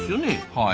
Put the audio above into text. はい。